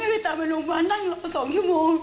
แม่ไปตามไปโรงพยาบาลนั่งรอสองชั่วโมง